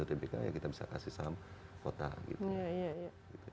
perusahaan dms property mpk ya kita bisa kasih saham kota gitu